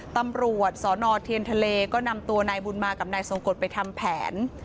ตำรวจสนเทียนทะเลก็นำตัวนายบุญมากับนายทรงกฎไปทำแผน